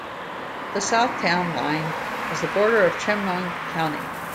The south town line is the border of Chemung County.